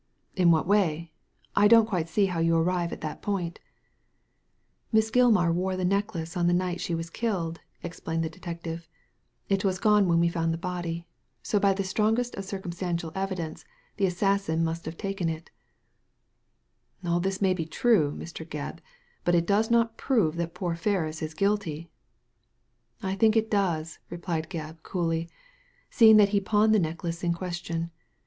" In what way ? I don't quite see how you arrive at that point" " Miss Gilmar wore the necklace on the night she was killed/' explained the detective; *'it was gone when we found the body; so by the strongest of circumstantial evidence the assassin must have taken it" "All this may be true, Mr. Gebb, but it does not prove that poor Ferris is guilty." I think it does, replied Gebb, coolly, "seeing that he pawned the necklace in question.